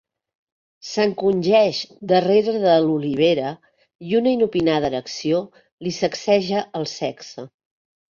S'encongeix darrere de l'olivera i una inopinada erecció li sacseja el sexe.